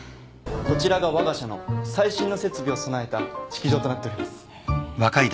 こちらがわが社の最新の設備を備えた式場となっております。